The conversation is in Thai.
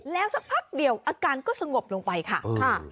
แล้วสักพักเดียวอาการก็สงบลงไปค่ะ